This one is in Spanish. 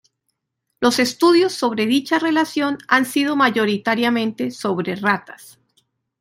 Los estudios sobre dicha relación han sido mayoritariamente sobre ratas.